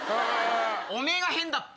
おめぇが変だっぺ。